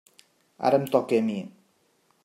Ara em toca a mi.